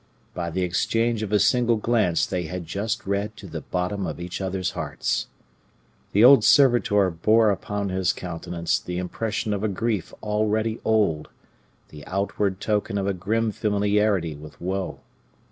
By the exchange of a single glance they had just read to the bottom of each other's hearts. The old servitor bore upon his countenance the impression of a grief already old, the outward token of a grim familiarity with woe.